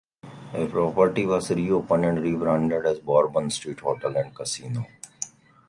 The property was reopened and rebranded as Bourbon Street Hotel and Casino.